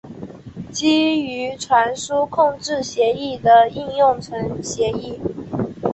基于传输控制协议的应用层协议。